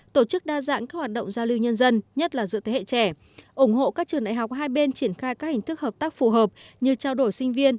tổ chức đa dạng các hoạt động giao lưu nhân dân nhất là giữa thế hệ trẻ ủng hộ các trường đại học hai bên triển khai các hình thức hợp tác phù hợp như trao đổi sinh viên